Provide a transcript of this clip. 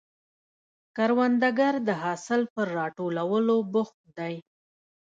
کروندګر د حاصل پر راټولولو بوخت دی